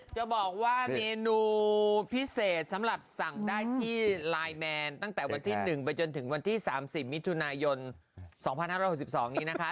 จะบอกว่าเมนูพิเศษสำหรับสั่งได้ที่ไลน์แมนตั้งแต่วันที่๑ไปจนถึงวันที่๓๐มิถุนายน๒๕๖๒นี้นะคะ